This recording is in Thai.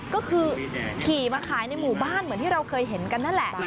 ก็คือขี่มาขายในหมู่บ้านเหมือนที่เราเคยเห็นกันนั่นแหละ